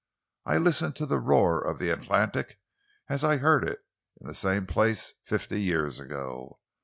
I listened to the roar of the Atlantic as I heard it in the same place fifty years ago.